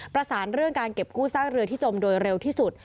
ประสานเรื่องการเก็บกู้ซากเรือที่จมโดยเร็วที่สุด